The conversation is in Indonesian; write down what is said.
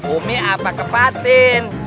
umi apa ke patin